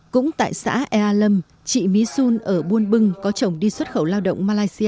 cũng tại xã ea lâm chị mí xuân ở buôn bưng có chồng đi xuất khẩu lao động